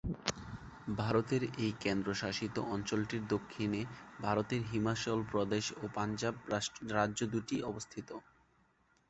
ভারতের এই কেন্দ্র শাসিত অঞ্চলটির দক্ষিণে ভারতের হিমাচল প্রদেশ ও পাঞ্জাব রাজ্য দুটি অবস্থিত।